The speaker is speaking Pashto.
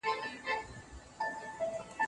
تاسې باید د نورو انسانانو پوهه وګورئ.